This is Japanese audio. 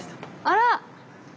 あら。